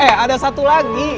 eh ada satu lagi